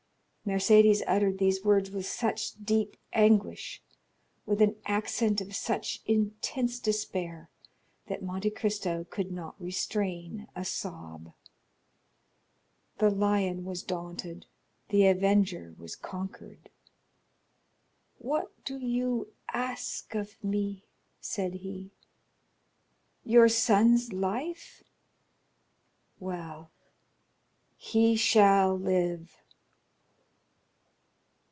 Mercédès uttered these words with such deep anguish, with an accent of such intense despair, that Monte Cristo could not restrain a sob. The lion was daunted; the avenger was conquered. "What do you ask of me?" said he,—"your son's life? Well, he shall live!"